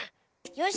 よし！